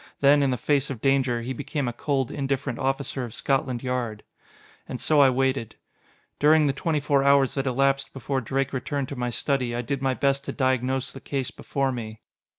Then, in the face of danger, he became a cold, indifferent officer of Scotland Yard. And so I waited. During the twenty four hours that elapsed before Drake returned to my study, I did my best to diagnose the case before me.